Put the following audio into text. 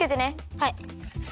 はい。